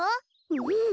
うん。